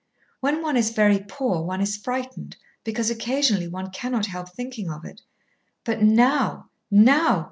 When one is very poor one is frightened, because occasionally one cannot help thinking of it." "But now now!